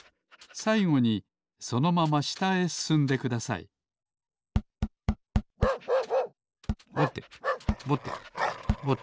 さいごにそのまましたへすすんでくださいぼてぼてぼて。